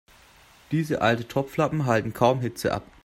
Diese alten Topflappen halten kaum Hitze ab.